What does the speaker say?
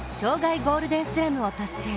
ゴールデンスラムを達成。